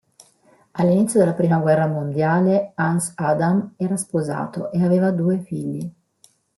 All'inizio della prima guerra mondiale Hans Adam era sposato e aveva due figli.